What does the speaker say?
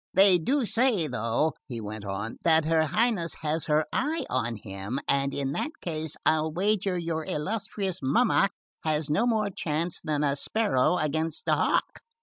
"They do say, though," he went on, "that her Highness has her eye on him, and in that case I'll wager your illustrious mamma has no more chance than a sparrow against a hawk."